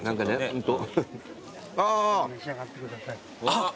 あっ！